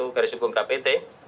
garis hukum kpt